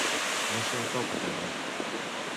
No sé on cau Paterna.